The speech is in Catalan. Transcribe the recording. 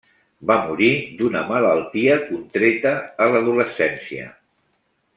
Va morir d'una malaltia contreta a l'adolescència.